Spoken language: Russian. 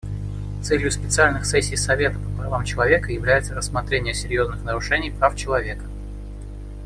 Целью специальных сессий Совета по правам человека является рассмотрение серьезных нарушений прав человека.